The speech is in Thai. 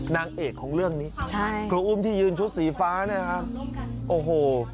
นางเอกของเรื่องนี้ใช่ครูอุ้มที่ยืนชุดสีฟ้าเนี่ยฮะโอ้โห